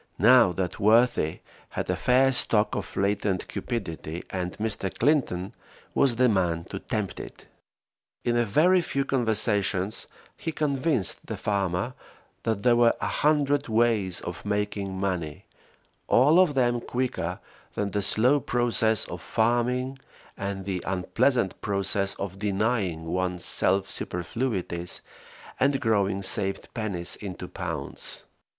Now that worthy had a fair stock of latent cupidity, and Mr. Clinton was the man to tempt it. In a very few conversations he convinced the farmer that there were a hundred ways of making money, all of them quicker than the slow process of farming and the unpleasant process of denying one's self superfluities and growing saved pennies into pounds.